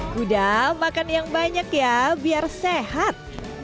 kuda makan yang banyak ya biar sehat